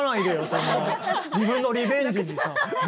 そんな自分のリベンジにさ。